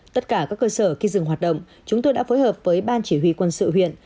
tất cả các cơ sở khi dừng hoạt động chúng tôi đã phối hợp với ban chỉ huy quân sự huyện